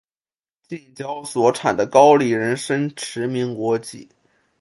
近郊所产的高丽人参驰名国际。